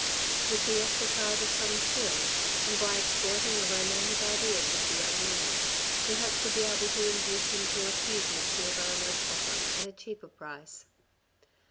With the exercise of some skill, and by ex ploiting the romantic ideas of the young man, he hoped to be able to induce him to refuse M. Valenod's offer at a cheaper price.